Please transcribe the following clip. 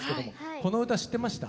この歌知ってました？